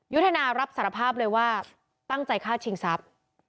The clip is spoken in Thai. ยุทธนารับสารภาพเลยว่าตั้งใจฆ่าชิงทรัพย์